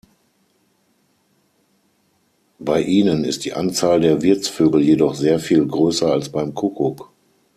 Bei ihnen ist die Anzahl der Wirtsvögel jedoch sehr viel größer als beim Kuckuck.